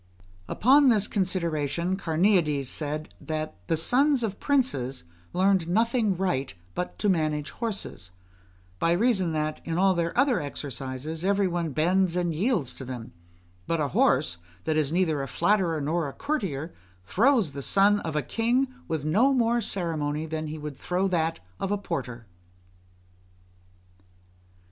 Upon this consideration Carneades said, that "the sons of princes learned nothing right but to manage horses; by reason that, in all their other exercises, every one bends and yields to them; but a horse, that is neither a flatterer nor a courtier, throws the son of a king with no more ceremony than he would throw that of a porter."